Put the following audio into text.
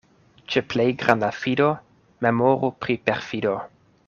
Ĉe plej granda fido memoru pri perfido.